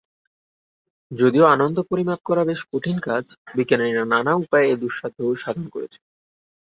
যদিও আনন্দ পরিমাপ করা বেশ কঠিন কাজ, বিজ্ঞানীরা নানা উপায়ে এই দুঃসাধ্য সাধন করেছেন।